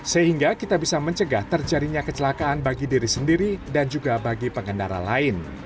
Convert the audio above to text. sehingga kita bisa mencegah terjadinya kecelakaan bagi diri sendiri dan juga bagi pengendara lain